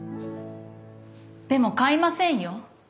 でも買いませんよ。